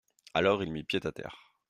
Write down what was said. Alors il mit pied à terre.